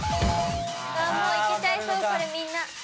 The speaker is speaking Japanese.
もういけちゃいそうこれみんな。